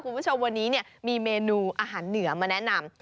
คุณผู้ชมวันนี้มีเมนูอาหารเหนือมาแนะนำ